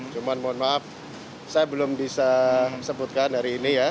cuman mohon maaf saya belum bisa sebutkan hari ini ya